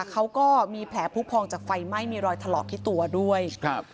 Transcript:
เขาก็มีแผลผู้พองจากไฟไหม้มีรอยถลอกที่ตัวด้วยครับ